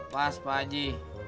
pas pak haji